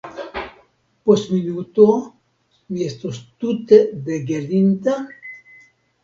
Post minuto mi estos tute degelinta?